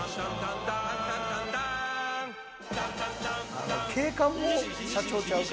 あの警官も社長ちゃうか？